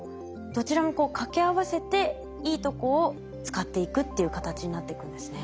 どちらも掛け合わせていいとこを使っていくっていう形になっていくんですね。